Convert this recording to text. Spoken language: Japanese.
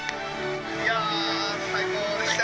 いやー、最高でした。